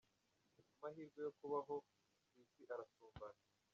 Amahirwe yo kubaho ku isi arasumbana